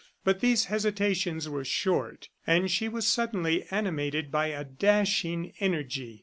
But these hesitations were short, and she was suddenly animated by a dashing energy.